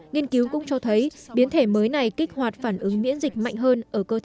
nghiên cứu cũng cho thấy biến thể mới này kích hoạt phản ứng miễn dịch mạnh hơn